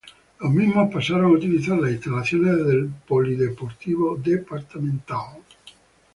Los mismos pasaron a utilizar las instalaciones del Polideportivo departamental.